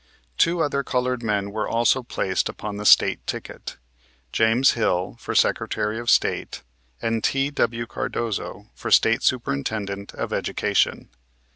Two other colored men were also placed upon the State ticket, James Hill, for Secretary of State, and T.W. Cardozo, for State Superintendent of Education.